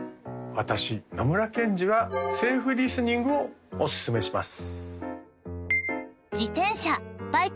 私野村ケンジはセーフリスニングをおすすめします